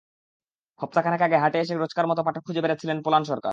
হপ্তা খানেক আগে হাটে এসে রোজকার মতো পাঠক খুঁজে বেড়াচ্ছিলেন পলান সরকার।